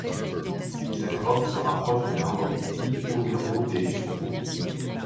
Cette robe se rapproche de la robe Pie overo des chevaux.